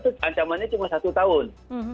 itu ancamannya cuma satu tahun